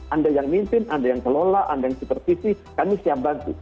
anda yang mimpin anda yang kelola anda yang supervisi kami siap bantu